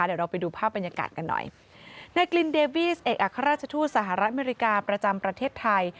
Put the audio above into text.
เดี๋ยวเราไปดูภาพบรรยากาศกันหน่อยในกลินเดบีสเอกอัครราชทูตสหรัฐอเมริกาประจำประเทศไทย